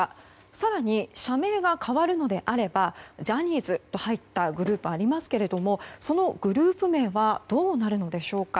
更に、社名が変わるのであればジャニーズと入ったグループありますけどそのグループ名はどうなるのでしょうか。